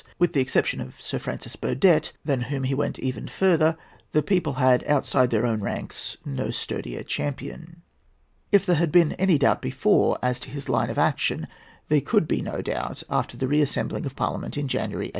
With the exception of Sir Francis Burdett, than whom he even went further, the people had, outside their own ranks, no sturdier champion. If there had been any doubt before as to his line of action, there could be no doubt after the re assembling of Parliament in January, 1817.